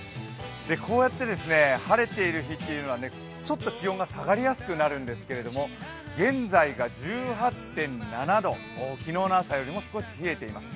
こうやって晴れている日というのはちょっと気温が下がりやすくなるんですけれども、現在が１８．７度、昨日の朝よりも少し冷えています。